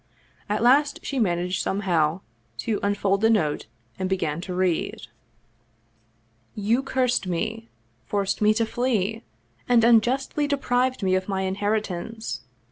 At last she managed somehow to unfold the note, and be gan to read: " You cursed me, forced me to flee, and unjustly de prived me of my inheritance.